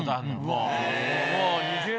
もう。